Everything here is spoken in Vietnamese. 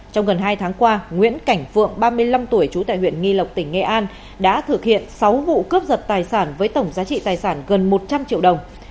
trong gần hai tháng qua nguyễn cảnh phượng ba mươi năm tuổi trú tại huyện nghi lộc tỉnh nghệ an đã thực hiện sáu vụ cướp giật tài sản với tổng giá trị tài sản gần một trăm linh triệu đồng